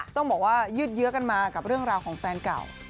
ต้องบอกว่ายืดเยอะกันมากับเรื่องราวของแฟนเก่า